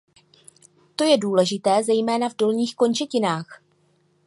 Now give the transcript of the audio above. To je důležité zejména v dolních končetinách.